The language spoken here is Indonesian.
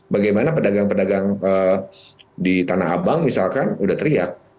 bagaimana pedagang pedagang di tanah abang misalkan udah teriak